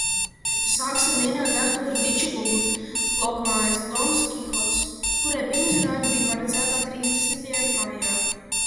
Sāksim mēģināt Artura Dīča lugu "Blokmājas dons Kihots", kurai pirmizrāde bija paredzēta trīsdesmitajā maijā.